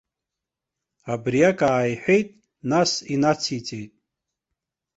Абриак ааиҳәеит, нас инациҵеит.